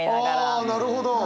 ああなるほど！